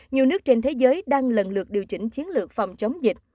nhiều nước trên thế giới đang lần lượt điều chỉnh chiến lược phòng chống dịch